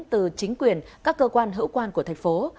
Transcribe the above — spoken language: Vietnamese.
từ chính quyền các cơ quan hữu quan của thành phố